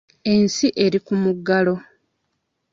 Ensi eri ku muggalo.